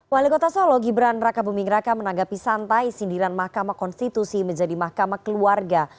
wali kota solo gibran raka buming raka menanggapi santai sindiran mahkamah konstitusi menjadi mahkamah keluarga